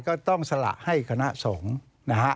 ก็ต้องสละให้คณะสงฆ์